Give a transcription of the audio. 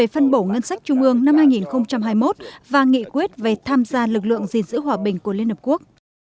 phân bổ ngân sách trung ương năm hai nghìn hai mươi một và nghị quyết về tham gia lực lượng gìn giữ hòa bình của liên hợp quốc